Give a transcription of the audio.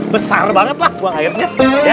besar banget lah buang airnya